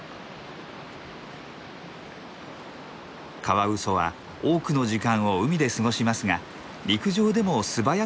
カワウソは多くの時間を海で過ごしますが陸上でも素早く動けます。